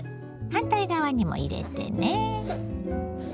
反対側にも入れてね。